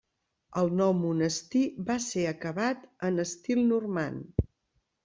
El nou monestir va ser acabat en estil normand.